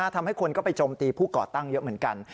ทำให้คนก็ไปโจมตีผู้ก่อตั้งเยอะเหมือนกัน